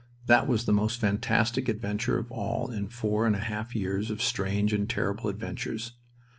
That was the most fantastic adventure of all in four and a half years of strange and terrible adventures.